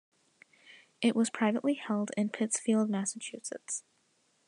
It was privately held in Pittsfield, Massachusetts.